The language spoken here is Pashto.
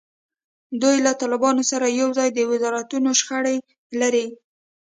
دوی له طالبانو سره یوازې د وزارتونو شخړه لري.